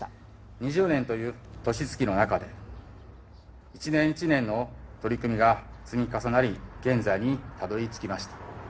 ２０年という年月の中で、一年一年の取り組みが積み重なり、現在にたどりつきました。